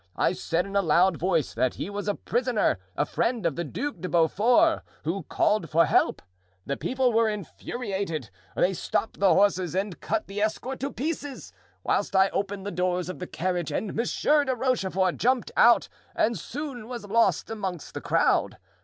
I said in a loud voice that he was a prisoner, a friend of the Duc de Beaufort, who called for help. The people were infuriated; they stopped the horses and cut the escort to pieces, whilst I opened the doors of the carriage and Monsieur de Rochefort jumped out and soon was lost amongst the crowd.